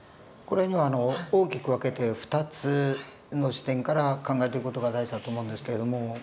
これには大きく分けて２つの視点から考えていく事が大事だと思うんですけれども。